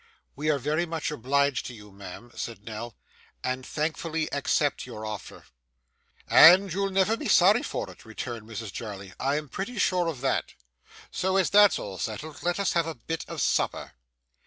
'We are very much obliged to you, ma'am,' said Nell, 'and thankfully accept your offer.' 'And you'll never be sorry for it,' returned Mrs Jarley. 'I'm pretty sure of that. So as that's all settled, let us have a bit of supper.